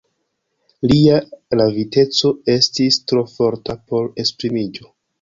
Lia raviteco estis tro forta por esprimiĝo.